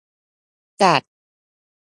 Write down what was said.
จัด